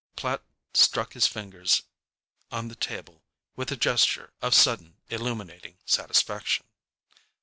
Platt struck his fingers on the table with a gesture of sudden, illuminating satisfaction.